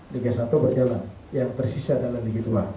liga satu berjalan yang tersisa adalah liga dua